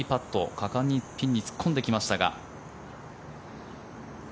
果敢にピンに突っ込んでいきましたが。